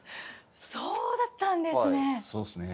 そうだったんですね。